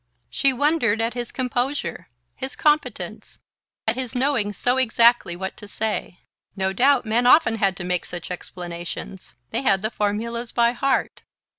She wondered at his composure, his competence, at his knowing so exactly what to say. No doubt men often had to make such explanations: they had the formulas by heart...